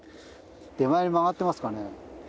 手前に曲がってますかね。